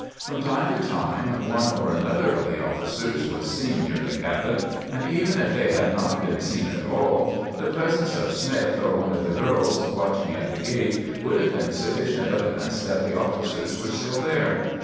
From time to time one or another of the officers was seen near the cabin, and even if they had not been seen at all, the presence of Smith or one of the girls watching at the gate would have been sufficient evidence that the officers were still there.